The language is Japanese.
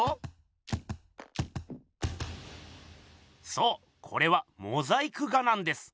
そうこれはモザイク画なんです。